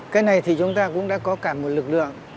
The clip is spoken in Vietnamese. cái này thì chúng ta cũng đã có cả một lực lượng